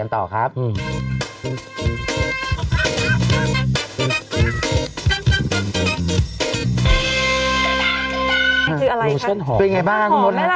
มันต้องนิดหนึ่งนะมาดู